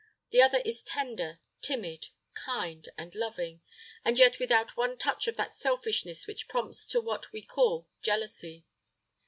The other is tender, timid, kind, and loving, and yet without one touch of that selfishness which prompts to what we call jealousy.